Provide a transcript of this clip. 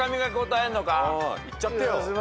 いっちゃってよ。